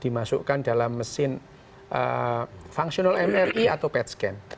dimasukkan dalam mesin functional mri atau pet scan